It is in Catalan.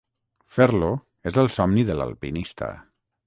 Fer-lo és el somni de l'alpinista.